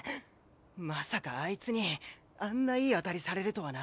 まさかあいつにあんないいあたりされるとはな。